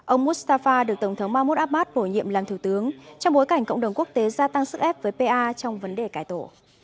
ông mustafa được tổng thống mahmoud abbas bổ nhiệm làm thủ tướng trong bối cảnh cộng đồng quốc tế gia tăng sức ép với pa trong vấn đề cải tổ